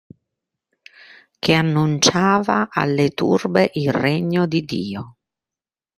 Che annunciava alle turbe il regno di Dio.